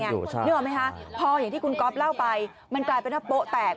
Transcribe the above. พออย่างที่คุณก๊อฟเล่าไปมันกลายเป็นทะเป๊าแตก